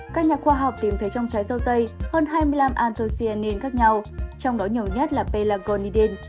các nhà khoa học tìm thấy trong trái dâu tây hơn hai mươi năm antocin khác nhau trong đó nhiều nhất là pelagonidin